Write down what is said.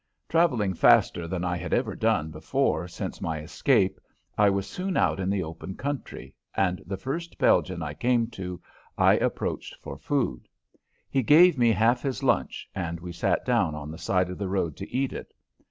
Traveling faster than I had ever done before since my escape, I was soon out in the open country, and the first Belgian I came to I approached for food. He gave me half his lunch and we sat down on the side of the road to eat it.